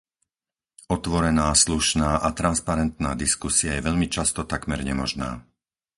Otvorená, slušná a transparentná diskusia je veľmi často takmer nemožná.